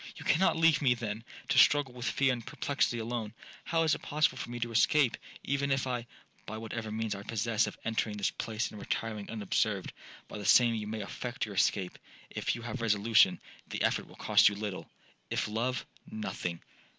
'—'You cannot leave me, then, to struggle with fear and perplexity alone! How is it possible for me to escape, even if'—'By whatever means I possess of entering this place and retiring unobserved,—by the same you may effect your escape. If you have resolution, the effort will cost you little,—if love,—nothing.